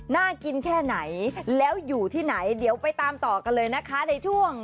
น่ากินแค่ไหนแล้วอยู่ที่ไหนเดี๋ยวไปตามต่อกันเลยนะคะในช่วง